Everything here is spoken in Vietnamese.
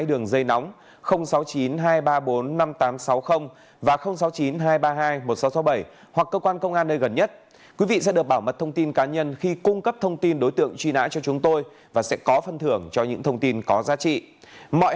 đây là những thông tin về truy nã tội phạm